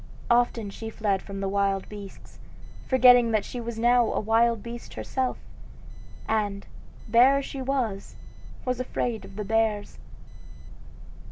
Often she fled from the wild beasts, forgetting that she was now a wild beast herself; and, bear as she was, was afraid of the bears.